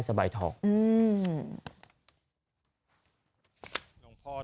สบายทองอืม